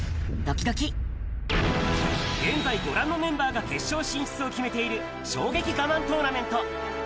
現在、ご覧のメンバーが決勝進出を決めている衝撃ガマントーナメント。